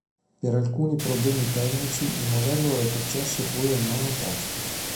Per alcuni problemi tecnici il modello retrocesse poi al nono posto.